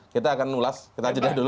kita akan ulas kita jeda dulu